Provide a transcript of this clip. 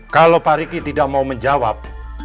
kalau pak riki tidak mau menjawab